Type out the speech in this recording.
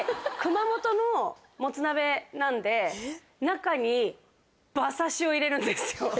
熊本のもつ鍋なんで中に馬刺しを入れるんですよ。